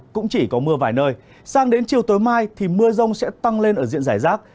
cũng chỉ có mưa vài nơi sang đến chiều tối mai thì mưa rông sẽ tăng lên ở diện giải rác